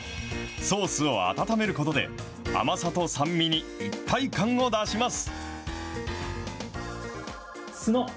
ソースを温めることで、甘さと酸味に一体感を出します。